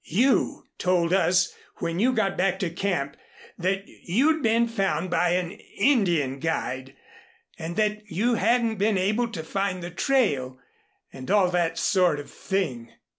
You told us when you got back to camp that you'd been found by an Indian guide and that you hadn't been able to find the trail and all that sort of thing.